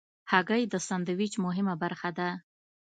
هګۍ د سندویچ مهمه برخه ده.